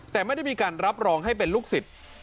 แต่ไม่ได้มีการรับรองให้เป็นลูกศิษย์